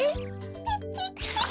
ピッピッピッ！